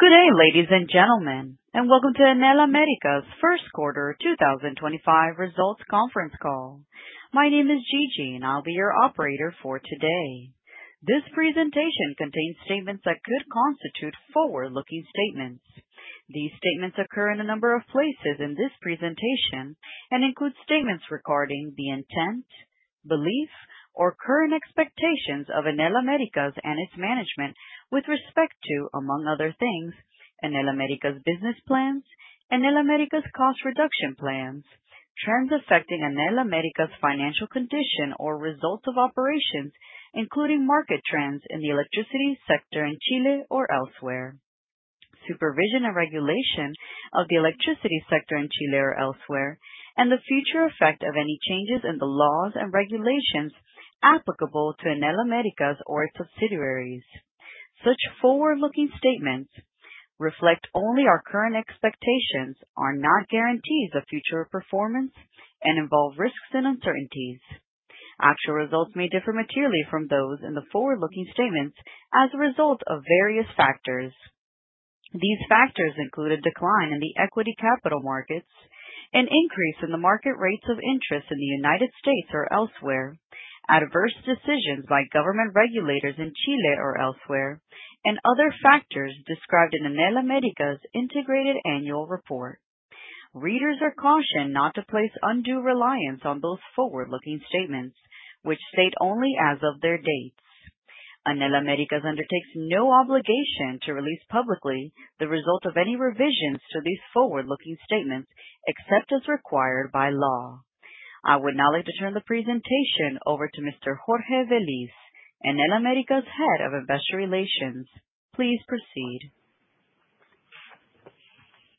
Good day, ladies and gentlemen and welcome to Enel Américas' Q1 2025 Results Conference Call. My name is Gigi and I'll be your operator for today. This presentation contains statements that could constitute forward-looking statements. These statements occur in a number of places in this presentation and include statements regarding the intent, belief, or current expectations of Enel Américas and its management with respect to, among other things, Enel Américas business plans, Enel Américas cost reduction plans, trends affecting Enel Américas financial condition or results of operations, including market trends in the electricity sector in Chile or elsewhere. Supervision and regulation of the electricity sector in Chile or elsewhere, and the future effect of any changes in the laws and regulations applicable to Enel Américas or its subsidiaries. Such forward-looking statements reflect only our current expectations, are not guarantees of future performance, and involve risks and uncertainties. Actual results may differ materially from those in the forward-looking statements as a result of various factors. These factors include a decline in the equity capital markets, an increase in the market rates of interest in the United States or elsewhere, adverse decisions by government regulators in Chile or elsewhere and other factors described in Enel Américas' integrated annual report. Readers are cautioned not to place undue reliance on those forward-looking statements, which state only as of their dates. Enel Américas undertakes no obligation to release publicly the result of any revisions to these forward-looking statements, except as required by law. I would now like to turn the presentation over to Mr. Jorge Velis, Enel Américas' Head of Investor Relations. Please proceed.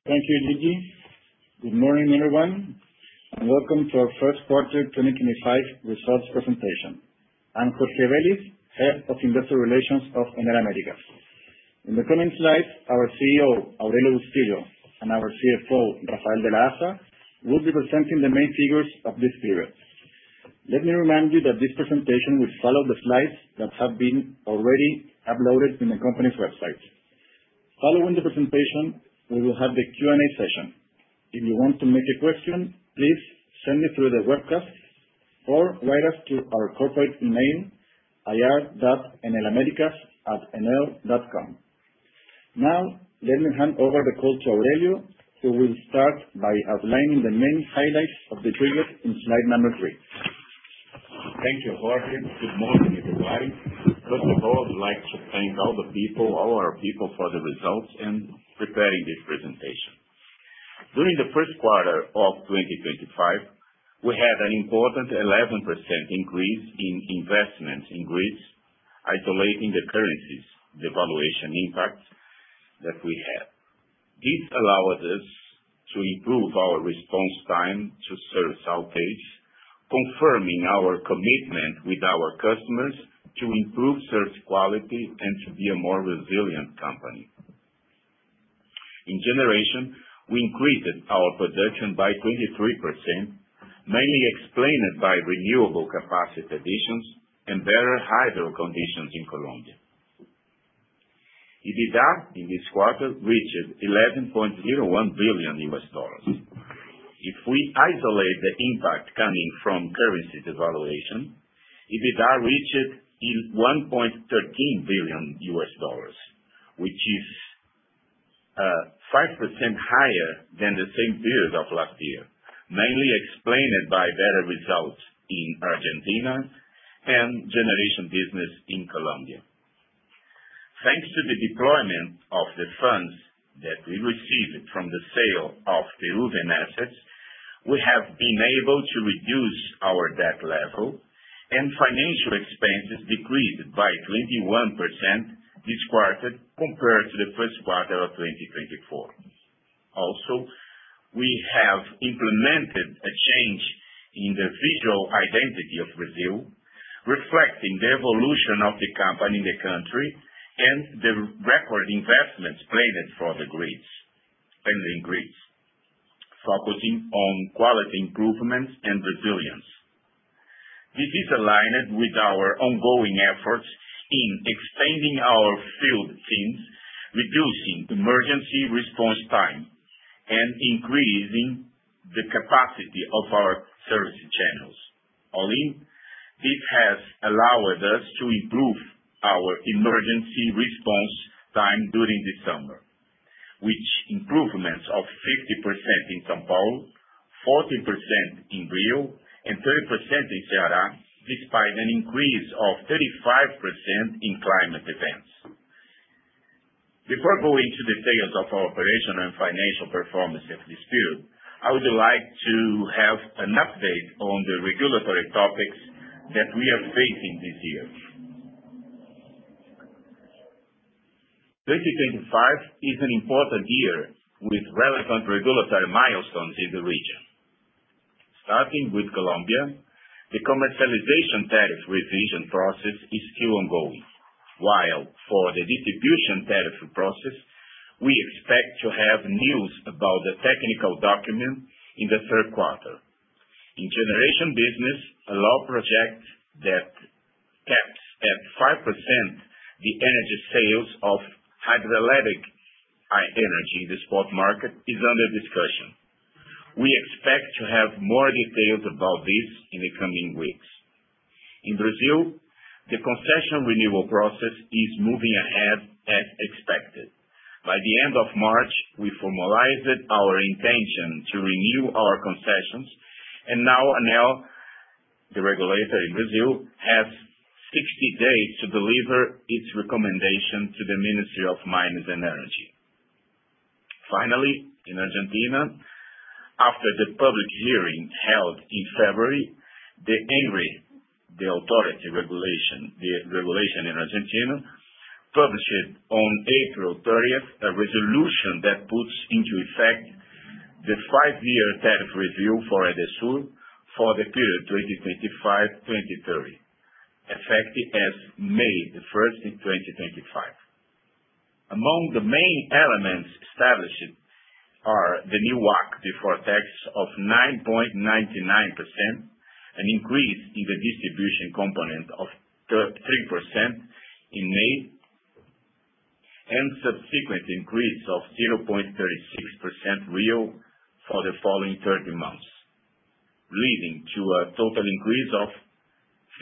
Thank you, Gigi. Good morning, everyone and welcome to our Q1 2025 esults presentation. I'm Jorge Velis, Head of Investor Relations of Enel Américas. In the coming slides, our CEO, Aurelio Bustilho, and our CFO, Rafael de la Haza, will be presenting the main figures of this period. Let me remind you that this presentation will follow the slides that have been already uploaded in the company's website. Following the presentation, we will have the Q&A session. If you want to make a question, please send it through the webcast or write us to our corporate email, ir.enelamericas@enel.com. Now, let me hand over the call to Aurelio, who will start by outlining the main highlights of the period in slide number 3. Thank you, Jorge. Good morning, everybody. First of all, I would like to thank all the people, all our people for the results in preparing this presentation. During the Q1 of 2025, we had an important 11% increase in investments in grids, isolating the currencies devaluation impact that we had. This allowed us to improve our response time to service outage, confirming our commitment with our customers to improve service quality and to be a more resilient company. In generation, we increased our production by 23%, mainly explained by renewable capacity additions and better hydro conditions in Colombia. EBITDA in this quarter reached $11.01 billion. If we isolate the impact coming from currency devaluation, EBITDA reached $1.13 billion, which is 5% higher than the same period of last year, mainly explained by better results in Argentina and generation business in Colombia. Thanks to the deployment of the funds that we received from the sale of Peruvian assets, we have been able to reduce our debt level, and financial expenses decreased by 21% this quarter compared to the Q1 of 2024. Also, we have implemented a change in the visual identity of Brazil, reflecting the evolution of the company in the country and the record investments planned for the grids, and in grids, focusing on quality improvement and resilience. This is aligned with our ongoing efforts in expanding our field teams, reducing emergency response time and increasing the capacity of our service channels. All in, this has allowed us to improve our emergency response time during the summer, which improvements of 50% in São Paulo, 40% in Rio, and 30% in Ceará, despite an increase of 35% in climate events. Before going to the details of our operational and financial performance of this period, I would like to have an update on the regulatory topics that we are facing this year. 2025 is an important year with relevant regulatory milestones in the region. Starting with Colombia, the commercialization tariff revision process is still ongoing while for the distribution tariff process, we expect to have news about the technical document in the Q3. In generation business, a law project that at 5%, the energy sales of hydroelectric energy, the spot market is under discussion. We expect to have more details about this in the coming weeks. In Brazil, the concession renewal process is moving ahead as expected. By the end of March, we formalized our intention to renew our concessions, and now ANEEL, the regulator in Brazil, has 60 days to deliver its recommendation to the Ministry of Mines and Energy. Finally, in Argentina, after the public hearing held in February, the ENRE, the regulatory authority in Argentina, published on April 30 a resolution that puts into effect the 5-year tariff review for EDESUR for the period 2025-2030, effective as May 1 in 2025. Among the main elements established are the new WACC before tax of 9.99%, an increase in the distribution component of 33% in May and subsequent increase of 0.36% per year for the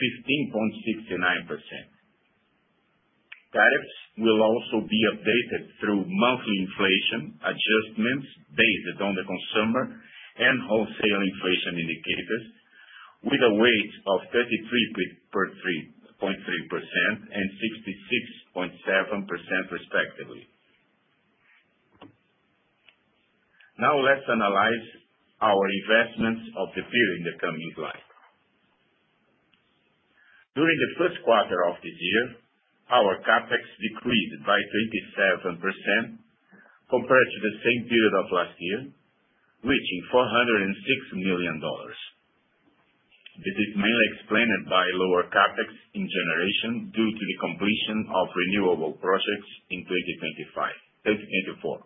following 30 months, leading to a total increase of 15.69%. Tariffs will also be updated through monthly inflation adjustments based on the consumer and wholesale inflation indicators, with a weight of 33.3% and 66.7% respectively. Now let's analyze our investments of the period in the coming slide. During the Q1 of this year, our CapEx decreased by 27% compared to the same period of last year, reaching $406 million. This is mainly explained by lower CapEx in generation due to the completion of renewable projects in 2024.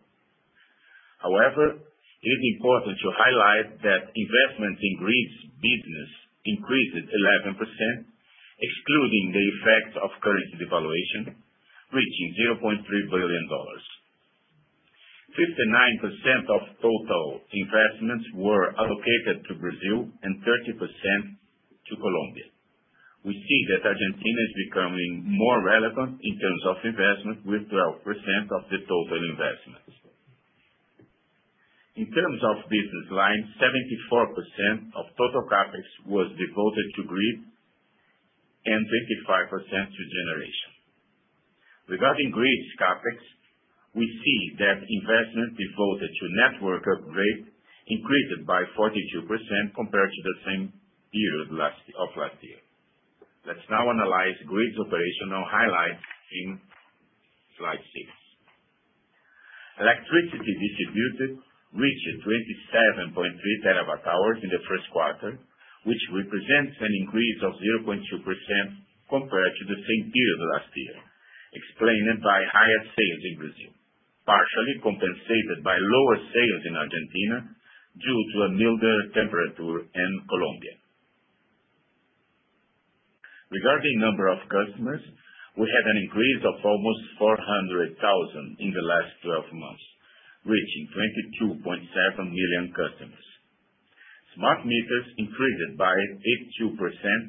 However, it is important to highlight that investments in grids business increased 11%, excluding the effect of currency devaluation, reaching $0.3 billion. 59% of total investments were allocated to Brazil and 30% to Colombia. We see that Argentina is becoming more relevant in terms of investment with 12% of the total investments. In terms of business lines, 74% of total CapEx was devoted to grid and 55% to generation. Regarding grid's CapEx, we see that investment devoted to network upgrade increased by 42% compared to the same period last year. Let's now analyze grid's operational highlights in slide 6. Electricity distributed reached 27.3 TWh in the Q1, which represents an increase of 0.2% compared to the same period last year, explained by higher sales in Brazil, partially compensated by lower sales in Argentina due to a milder temperature in Colombia. Regarding number of customers, we had an increase of almost 400,000 in the last 12 months, reaching 22.7 million customers. Smart meters increased by 82%,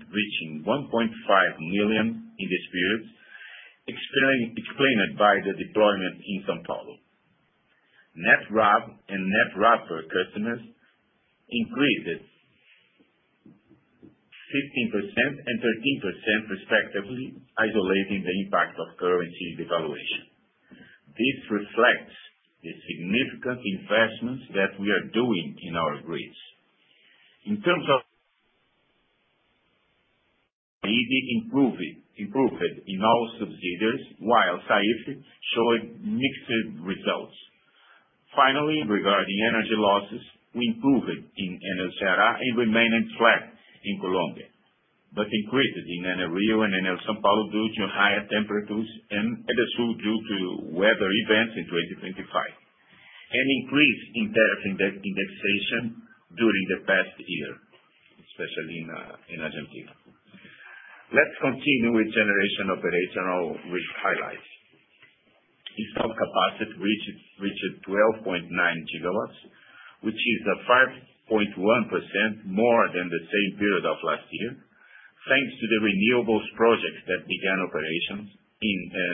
reaching 1.5 million in this period, explained by the deployment in São Paulo. Net RAB and net RAB per customers increased 15% and 13% respectively, isolating the impact of currency devaluation. This reflects the significant investments that we are doing in our grids. In terms of SAIDI improved in all subsidiaries, while SAIFI showed mixed results. Finally, regarding energy losses, we improved in Enel Ceará and remained flat in Colombia, but increased in Enel Rio and Enel São Paulo due to higher temperatures and EDESUR due to weather events in 2025 and increased in tariff indexation during the past year, especially in Argentina. Let's continue with generation operational risk highlights. Installed capacity reached 12.9 GW, which is 5.1% more than the same period of last year, thanks to the renewables projects that began operations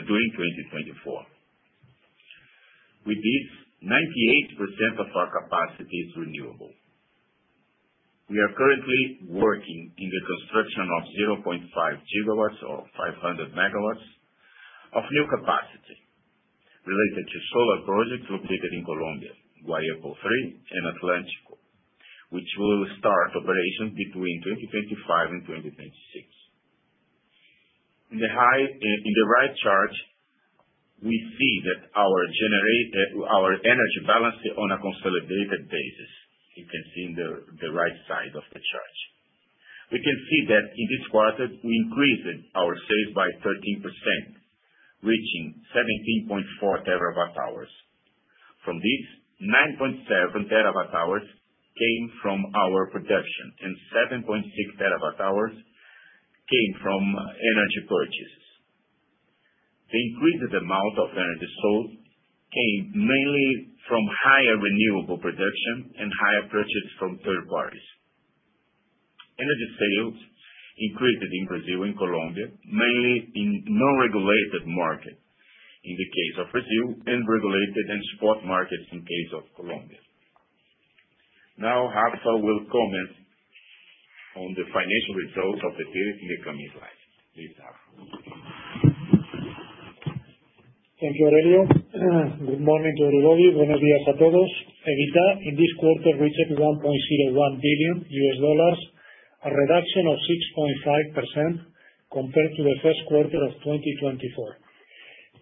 during 2024. With this, 98% of our capacity is renewable. We are currently working in the construction of 0.5 GW or 500 MW of new capacity related to solar projects located in Colombia, Guayepo III and Atlántico, which will start operations between 2025 and 2026. In the right chart, we see that our energy balance on a consolidated basis. You can see in the right side of the chart. We can see that in this quarter, we increased our sales by 13%, reaching 17.4 TWh. From these, 9.7 TWh came from our production and 7.6 TWh came from energy purchases. The increased amount of energy sold came mainly from higher renewable production and higher purchases from third parties. Energy sales increased in Brazil and Colombia, mainly in non-regulated market in the case of Brazil, and regulated and spot markets in case of Colombia. Now, Rafael will comment on the financial results of the period in the coming slides. Please, Rafael. Thank you, Aurelio. Good morning to everybody. Buenos días a todos. EBITDA in this quarter reached $1.01 billion, a reduction of 6.5% compared to the Q1 of 2024.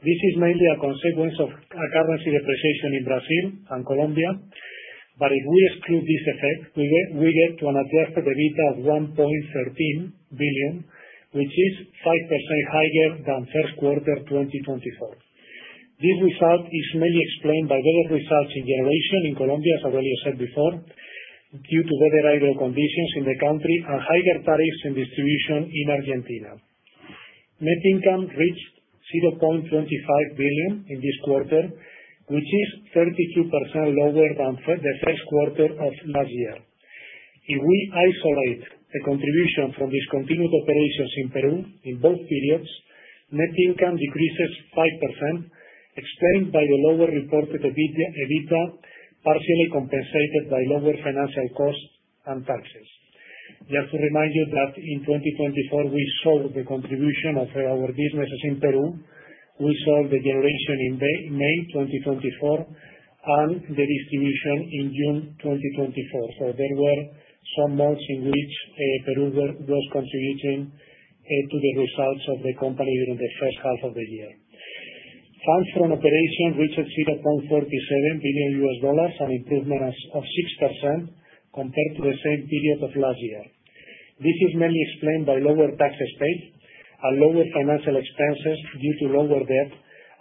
This is mainly a consequence of a currency depreciation in Brazil and Colombia. If we exclude this effect, we get to an adjusted EBITDA of $1.13 billion, which is 5% higher than Q1 2024. This result is mainly explained by lower results in generation in Colombia, as Aurelio said before, due to the reliable conditions in the country and higher tariffs and distribution in Argentina. Net income reached $0.25 billion in this quarter, which is 32% lower than the Q1 of last year. If we isolate the contribution from discontinued operations in Peru in both periods, net income decreases 5%, explained by the lower reported EBITDA, partially compensated by lower financial costs and taxes. Just to remind you that in 2024, we sold the contribution of our businesses in Peru. We sold the generation in May 2024, and the distribution in June 2024. There were some months in which Peru was contributing to the results of the company during the first half of the year. Funds from operation reached $0.47 billion, an improvement of 6% compared to the same period of last year. This is mainly explained by lower taxes paid and lower financial expenses due to lower debt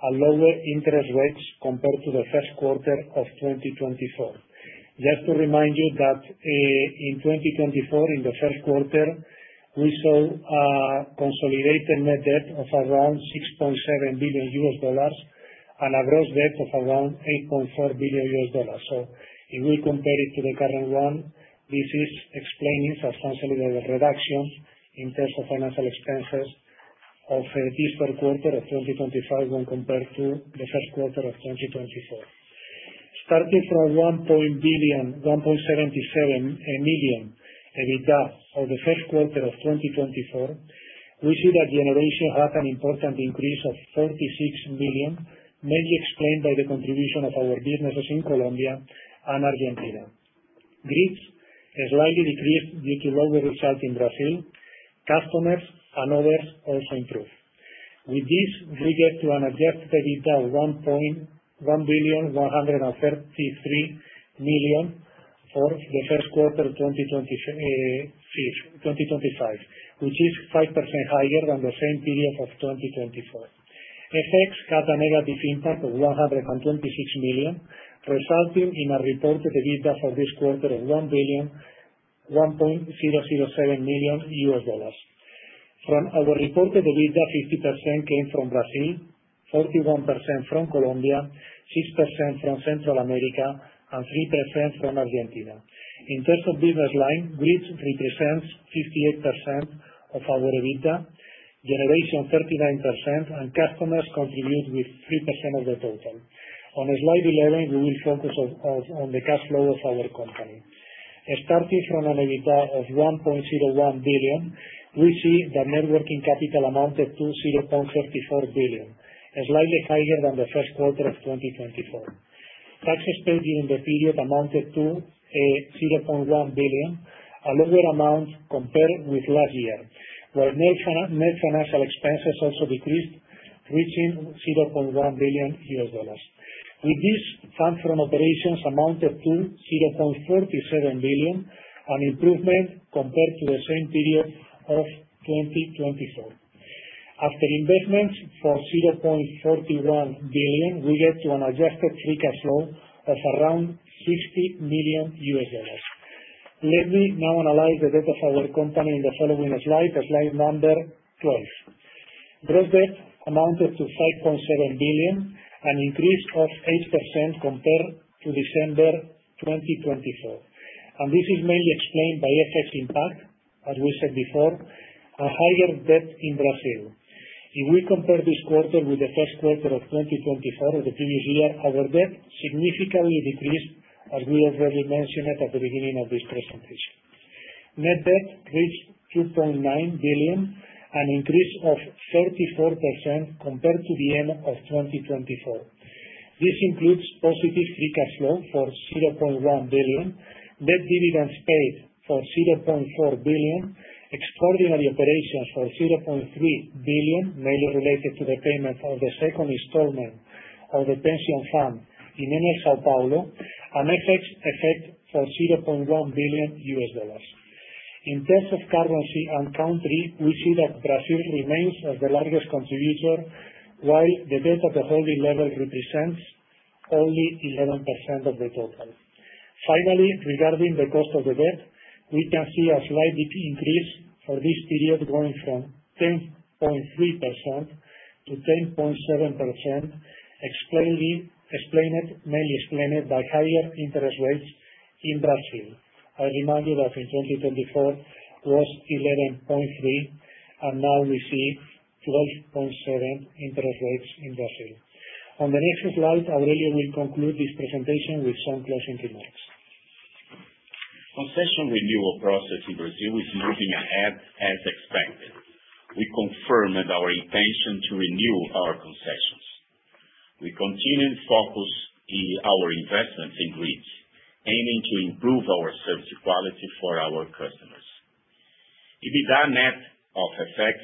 and lower interest rates compared to the Q1 of 2024. Just to remind you that, in 2024, in the Q1, we saw a consolidated net debt of around $6.7 billion and a gross debt of around $8.4 billion. If we compare it to the current one, this is explaining substantially the reduction in terms of financial expenses of this Q1 of 2025 when compared to the Q1 of 2024. Starting from $1.177 billion EBITDA for the Q1 of 2024, we see that generation had an important increase of $36 million, mainly explained by the contribution of our businesses in Colombia and Argentina. Grids slightly decreased due to lower results in Brazil. Customers and others also improved. With this, we get to an adjusted EBITDA of $1.133 billion for the Q1 2025, which is 5% higher than the same period of 2024. FX had a negative impact of $126 million, resulting in a reported EBITDA for this quarter of $1.007 billion. From our reported EBITDA, 50% came from Brazil, 41% from Colombia, 6% from Central America, and 3% from Argentina. In terms of business line, grids represents 58% of our EBITDA, generation 39% and customers contribute with 3% of the total. On slide 11, we will focus on the cash flow of our company. Starting from an EBITDA of $1.01 billion, we see the net working capital amounted to $0.34 billion, slightly higher than the Q1 of 2024. Taxes paid during the period amounted to $0.1 billion, a lower amount compared with last year, where net financial expenses also decreased, reaching $0.1 billion. With this, funds from operations amounted to $0.47 billion, an improvement compared to the same period of 2024. After investments for $0.41 billion, we get to an adjusted free cash flow of around $60 million. Let me now analyze the debt of our company in the following slide number 12. Gross debt amounted to 5.7 billion, an increase of 8% compared to December 2024 and this is mainly explained by FX impact, as we said before, a higher debt in Brazil. If we compare this quarter with the Q1 of 2024, the previous year, our debt significantly decreased, as we already mentioned at the beginning of this presentation. Net debt reached 2.9 billion, an increase of 34% compared to the end of 2024. This includes positive free cash flow for 0.1 billion, net dividends paid for 0.4 billion, extraordinary operations for 0.3 billion, mainly related to the payment of the second installment of the pension fund in Enel São Paulo, an FX effect for $0.1 billion. In terms of currency and country, we see that Brazil remains as the largest contributor, while the debt at the holding level represents only 11% of the total. Finally, regarding the cost of the debt, we can see a slight increase for this period, going from 10.3% to 10.7%, explained mainly by higher interest rates in Brazil. I remind you that in 2024 was 11.3%, and now we see 12.7% interest rates in Brazil. On the next slide, Aurelio will conclude this presentation with some closing remarks. Concession renewal process in Brazil is moving ahead as expected. We confirmed our intention to renew our concessions. We continue to focus in our investments in grids, aiming to improve our service quality for our customers. EBITDA net of FX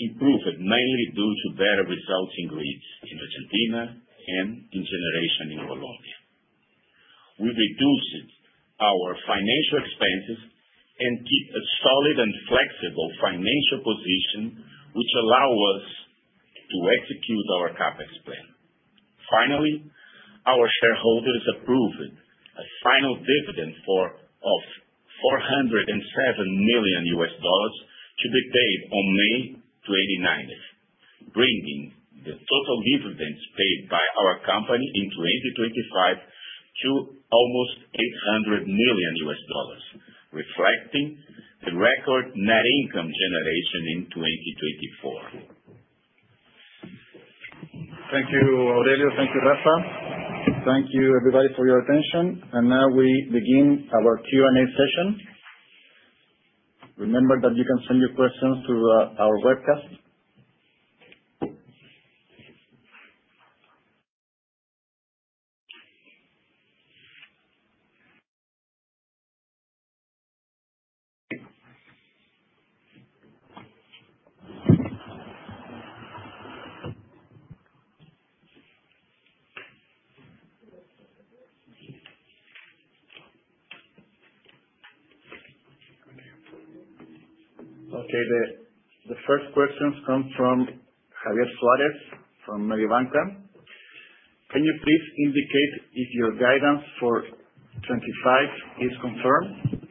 improved mainly due to better results in grids in Argentina and in generation in Colombia. We reduced our financial expenses and keep a solid and flexible financial position which allow us to execute our CapEx plan. Finally, our shareholders approved a final dividend of $407 million to be paid on May 29, bringing the total dividends paid by our company in 2025 to almost $800 million, reflecting the record net income generation in 2024. Thank you, Aurelio. Thank you, Rafa. Thank you, everybody, for your attention. Now we begin our Q&A session. Remember that you can send your questions through our webcast. Okay. The first question comes from Javier Suárez from Mediobanca. Can you please indicate if your guidance for 2025 is confirmed?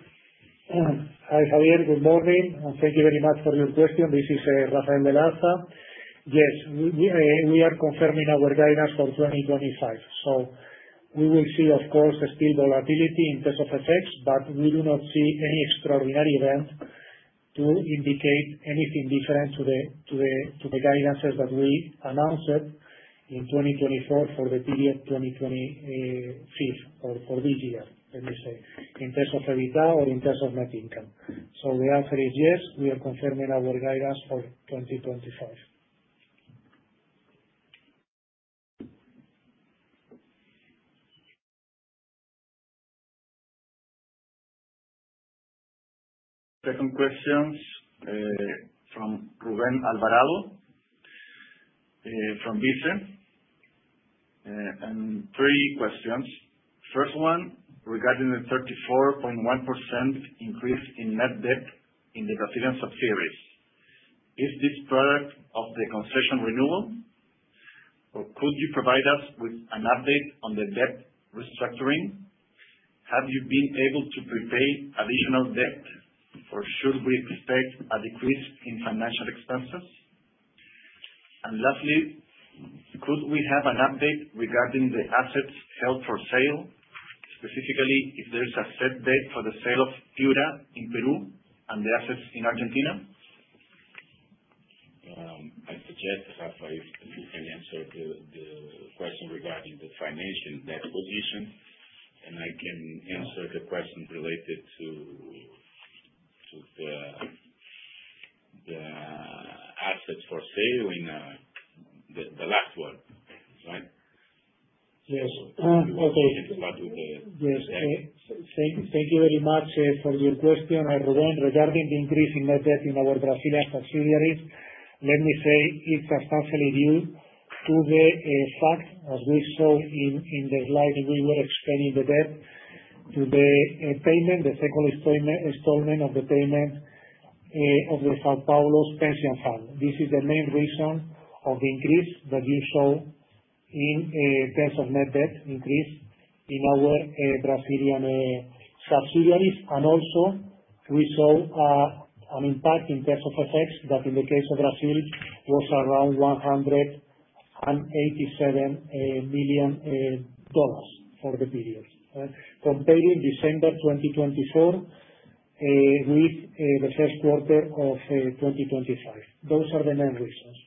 Hi, Javier Suárez. Good morning, and thank you very much for your question. This is Rafael de la Haza. Yes, we are confirming our guidance for 2025 so we will see, of course, still volatility in terms of FX, but we do not see any extraordinary event to indicate anything different to the guidances that we announced in 2024 for the period 2025, or for this year, let me say, in terms of EBITDA or in terms of net income. The answer is yes, we are confirming our guidance for 2025. Second question from Rubén Alvarado from BICE. Three questions. First one, regarding the 34.1% increase in net debt in the Brazilian subsidiaries, is this product of the concession renewal or could you provide us with an update on the debt restructuring? Have you been able to prepay additional debt or should we expect a decrease in financial expenses? And lastly, could we have an update regarding the assets held for sale, specifically if there is a set date for the sale of Piura in Peru and the assets in Argentina? I suggest, Rafael, if you can answer the question regarding the financial debt position, and I can answer the question related to the assets for sale in the last one, right? Yes. Okay. You can start with the. Yes. Thank you very much for your question. Regarding the increase in net debt in our Brazilian subsidiaries, let me say it's substantially due to the fact, as we saw in the slide, we were explaining the debt due to the payment, the second installment of the payment of the São Paulo's pension fund. This is the main reason of the increase that you saw in terms of net debt increase in our Brazilian subsidiaries and also we saw an impact in terms of FX that in the case of Brazil was around $187 million for the period comparing December 2024 with the Q1 of 2025. Those are the main reasons.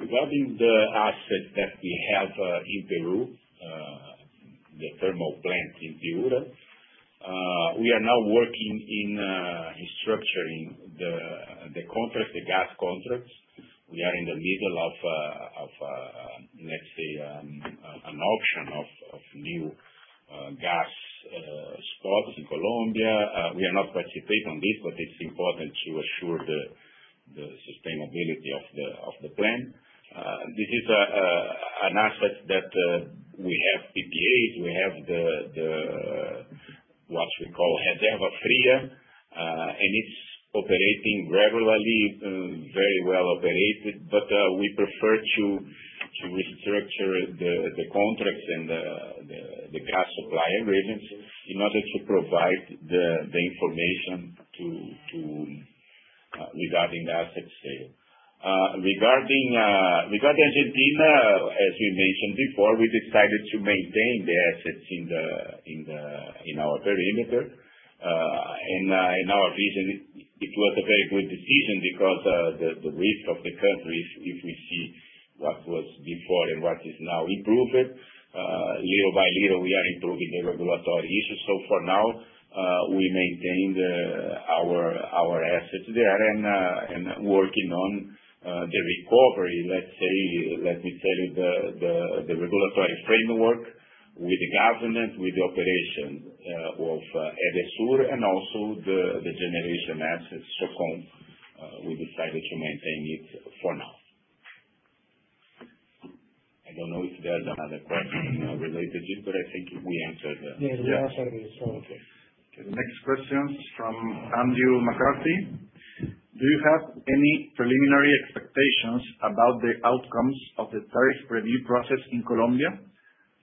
Regarding the asset that we have in Peru, the thermal plant in Piura, we are now working in structuring the contract, the gas contracts. We are in the middle of, let's say, an option of new gas spots in Colombia. We are not participate on this, but it's important to assure the sustainability of the plan. This is an asset that we have PPAs, we have the what we call and it's operating regularly, very well operated but we prefer to restructure the contracts and the gas supply agreements in order to provide the information to regarding the asset sale. Regarding Argentina, as we mentioned before, we decided to maintain the assets in our perimeter. In our vision, it was a very good decision because the risk of the country, if we see what was before and what is now improved, little by little we are improving the regulatory issues. For now, we maintain our assets there and working on the recovery, let's say, let me tell you the regulatory framework with the government, with the operation of EDESUR and also the generation assets, so-called, we decided to maintain it for now. I don't know if there's another question related, but I think we answered. Yeah, we answered this one. Okay. The next question is from Andrew McCarthy. Do you have any preliminary expectations about the outcomes of the tariff review process in Colombia?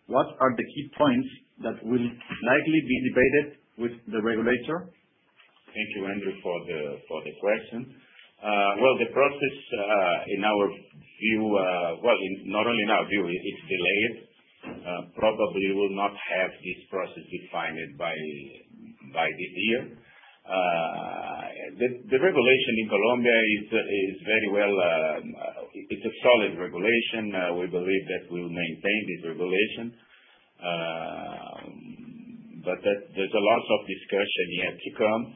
What are the key points that will likely be debated with the regulator? Thank you, Andrew, for the question. The process, in our view, not only in our view, it's delayed, probably will not have this process defined by this year. The regulation in Colombia is very well, it's a solid regulation, we believe that we'll maintain this regulation. There's a lot of discussion yet to come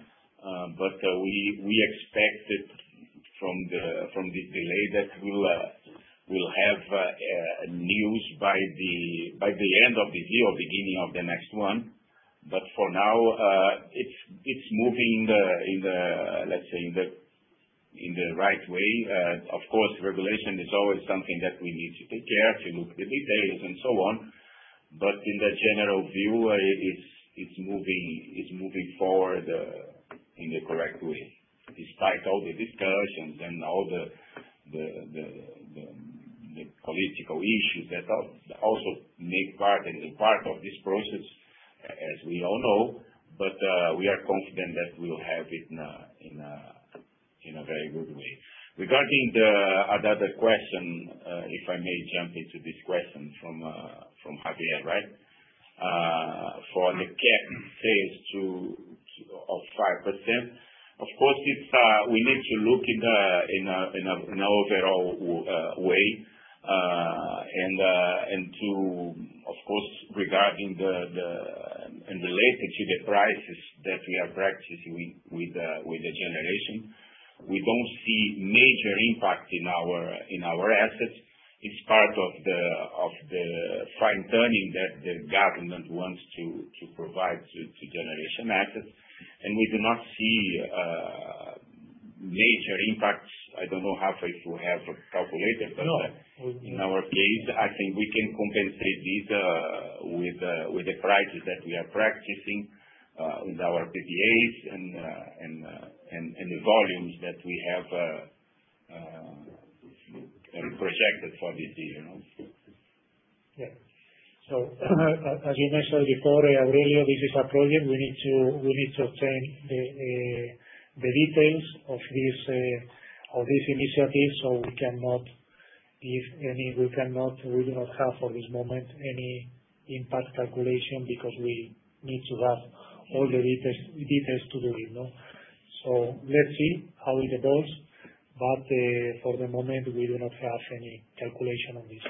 but we expect it from this delay that we'll have news by the end of this year or beginning of the next one. But for now, it's moving, let's say, in the right way and of course, regulation is always something that we need to take care to look at the details and so on. In the general view, it's moving forward in the correct way, despite all the discussions and all the political issues that also make part, an important part of this process, as we all know but we are confident that we'll have it in a very good way. Regarding another question, if I may jump into this question from Javier, right? For the CapEx to 5%, of course, it's we need to look in an overall way and to, of course, regarding the and related to the prices that we are practicing with the generation. We don't see major impact in our assets. It's part of the fine-tuning that the government wants to provide to generation assets. We do not see major impacts. I don't know, Javier, if you have calculated that. No. In our case, I think we can compensate this with the prices that we are practicing with our PPAs and the volumes that we have projected for this year. Yeah. As you mentioned before, Aurelio, this is a project we need to obtain the details of this initiative so we cannot give any, we cannot, we do not have at this moment any impact calculation because we need to have all the details to do it, no? So let's see how it evolves. For the moment, we do not have any calculation on this.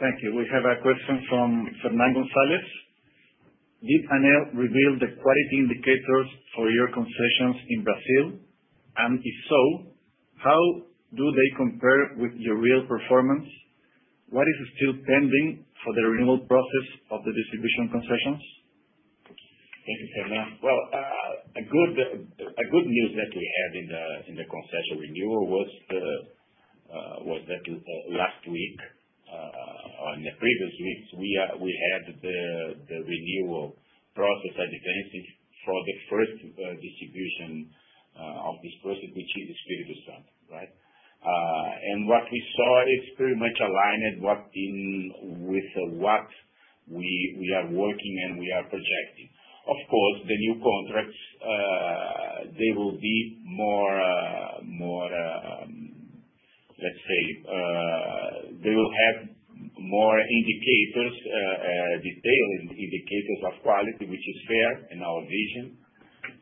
Thank you. We have a question from Fernando González. Did Enel reveal the quality indicators for your concessions in Brazil? And if so, how do they compare with your real performance? What is still pending for the renewal process of the distribution concessions? Thank you, Fernando. Well, a good news that we had in the concession renewal was that last week, on the previous weeks, we had the renewal process advances for the first distribution of this process, which is Espírito Santo, right? And what we saw is pretty much aligned with what we are working and we are projecting. Of course, the new contracts, they will be more, let's say, they will have more detailed indicators of quality, which is fair in our vision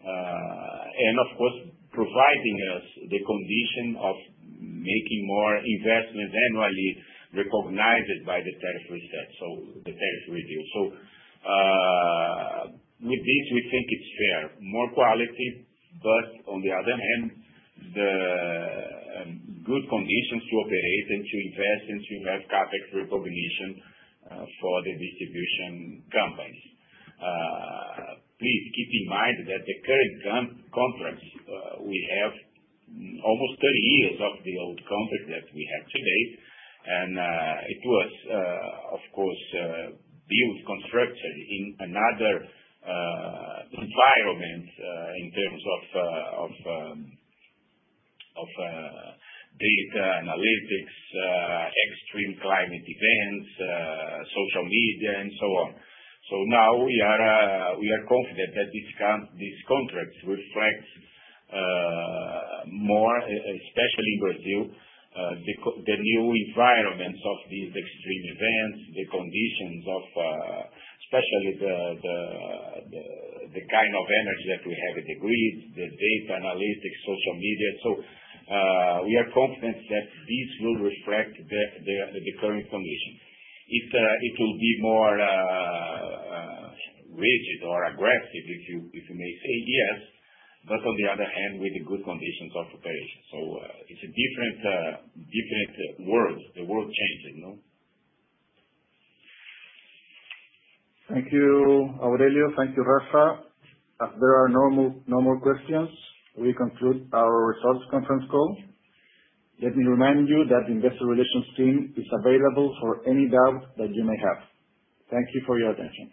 and of course providing us the condition of making more investments annually recognized by the tariff reset, so the tariff review so with this we think it's fair. More quality, but on the other hand, the good conditions to operate and to invest and to have CapEx recognition for the distribution companies. Please keep in mind that the current contracts, we have almost 30 years of the old contract that we have today. It was, of course, constructed in another environment, in terms of data analytics, extreme climate events, social media and so on. Now we are confident that these contracts reflect more especially Brazil the new environments of these extreme events, the conditions of especially the kind of energy that we have agreed, the data analytics, social media so we are confident that this will reflect the current condition. It will be more rigid or aggressive, if you may say, yes. But on the other hand with the good conditions of operation. It's a different world, the world changing, no? Thank you, Aurelio. Thank you, Rafa. There are no more questions. We conclude our results conference call. Let me remind you that the investor relations team is available for any doubt that you may have. Thank you for your attention.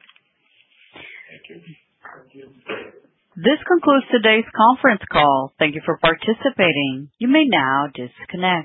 This concludes today's conference call. Thank you for participating. You may now disconnect.